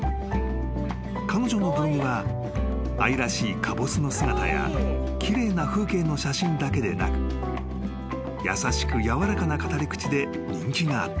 ［彼女のブログは愛らしいかぼすの姿や奇麗な風景の写真だけでなく優しく柔らかな語り口で人気があった］